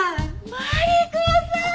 マリコさん！